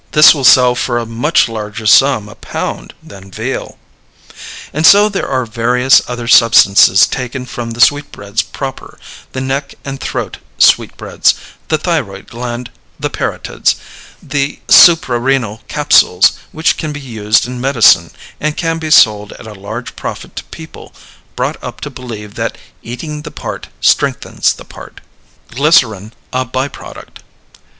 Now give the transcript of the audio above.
This will sell for a much larger sum a pound than veal. And so there are various other substances taken from the sweetbreads proper, the neck and throat sweetbreads, the thyroid gland, the parotids, and the suprarenal capsules which can be used in medicine and can be sold at a large profit to people brought up to believe that "eating the part strengthens the part." Glycerin a By Product.